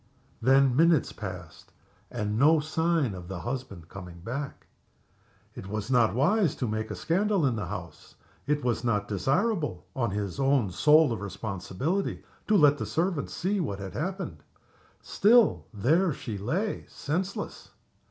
Then minutes passed. And no sign of the husband coming back. It was not wise to make a scandal in the house. It was not desirable (on his own sole responsibility) to let the servants see what had happened. Still, there she lay senseless.